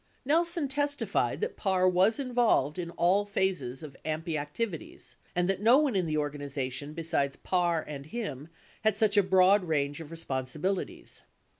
Nelson testified that Parr was involved in all phases of AMPI ac tivities and that no one in the organization besides Parr and him had such a broad range of responsibilities.